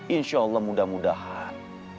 insya allah mudah mudahan